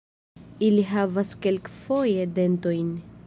Ili havas kelkfoje dentojn.